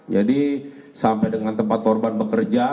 jadi sampai dengan tempat korban bekerja